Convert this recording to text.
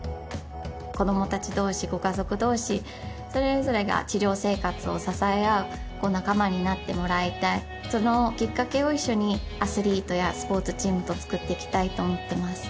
子供達同士ご家族同士それぞれが治療生活を支え合う仲間になってもらいたいそのきっかけを一緒にアスリートやスポーツチームと作っていきたいと思ってます